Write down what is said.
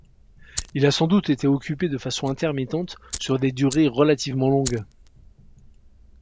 Il a sans doute été occupé de façon intermittente sur des durées relativement longues.